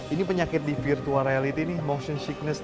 ini penyakit di virtual reality nih motion sickness